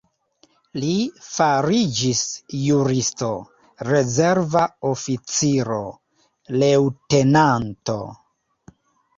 Li fariĝis juristo, rezerva oficiro, leŭtenanto.